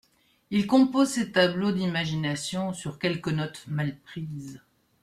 Il compose ses tableaux d'imagination sur quelques notes mal prises.